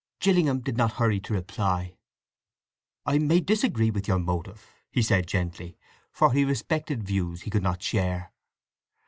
Gillingham did not hurry to reply. "I may disagree with your motive," he said gently, for he respected views he could not share.